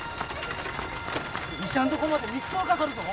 医者んとこまで３日はかかるぞ。